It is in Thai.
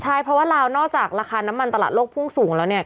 ใช่เพราะว่าลาวนอกจากราคาน้ำมันตลาดโลกพุ่งสูงแล้วเนี่ย